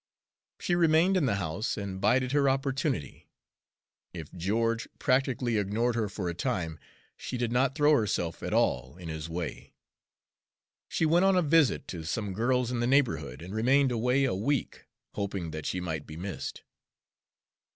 She remained in the house and bided her opportunity. If George practically ignored her for a time, she did not throw herself at all in his way. She went on a visit to some girls in the neighborhood and remained away a week, hoping that she might be missed.